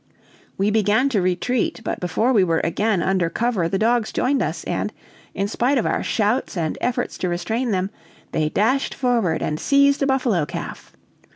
We began to retreat, but before we were again under cover the dogs joined us; and, in spite of our shouts and efforts to restrain them, they dashed forward and seized a buffalo calf.